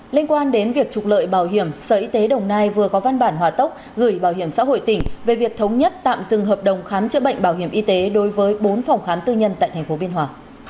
liên quan đến việc trục lợi bảo hiểm sở y tế đồng nai vừa có văn bản hòa tốc gửi bảo hiểm xã hội tỉnh về việc thống nhất tạm dừng hợp đồng khám chữa bệnh bảo hiểm y tế đối với bốn phòng khám tư nhân tại tp biên hòa